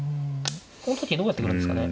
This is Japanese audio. この時どうやってくるんですかね。